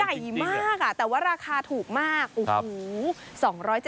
ใหญ่มากแต่ว่าราคาถูกมากโอ้โห